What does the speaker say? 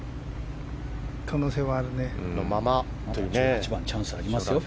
可能性はあるね。